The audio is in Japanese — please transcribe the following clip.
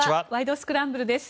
スクランブル」です。